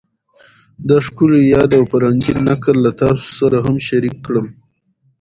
دا ښکلی یاد او فرهنګي نکل له تاسو سره هم شریک کړم